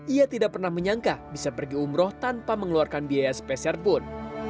ia tidak pernah menyangka bisa pergi umroh tanpa mengeluarkan biaya spesial pun